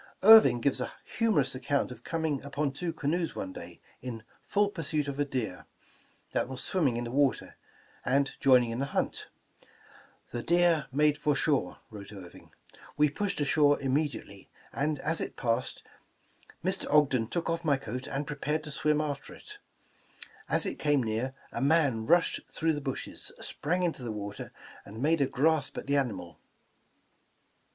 Irving gives a humorous account of coming upon two canoes one day, in full pursuit of a deer, that was swimming in the water, and joining in the hunt : The deer made for our shore," wrote Irving. *'We pushed ashore immediately, and as it passed, Mr. Ogden fired and wounded it. It had been wounded before. I threw off my coat and prepared to swim after it. As it came near, a man rushed through the bushes, sprang into the water, and made a grasp at the animal.